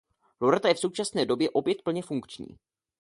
Loreta je v současné době opět plně funkční.